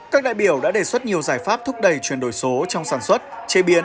các đại biểu đã đề xuất nhiều giải pháp thúc đẩy chuyển đổi số trong sản xuất chế biến